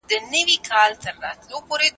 ایا د دولتي پلان درلودل د څېړني لپاره مهم دي؟